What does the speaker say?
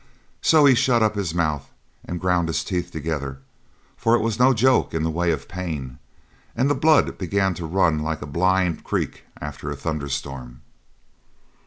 So he shut up his mouth and ground his teeth together, for it was no joke in the way of pain, and the blood began to run like a blind creek after a thunderstorm.